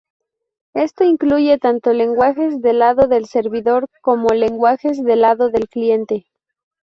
Esto incluye tanto lenguajes del lado del servidor como lenguajes del lado del cliente.